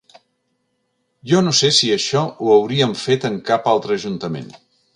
Jo no sé si això ho haurien fet en cap altre ajuntament.